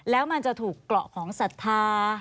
แล้วมันจะถูกเกราะของศรัทธา